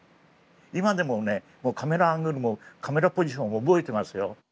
今でもねカメラアングルもカメラポジションも覚えてますよ。